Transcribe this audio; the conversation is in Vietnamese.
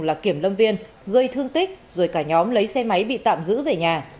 là kiểm lâm viên gây thương tích rồi cả nhóm lấy xe máy bị tạm giữ về nhà